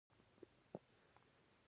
د سپېدو رخسار،